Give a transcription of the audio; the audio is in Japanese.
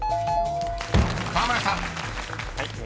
［河村さん］